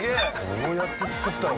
どうやって作ったの？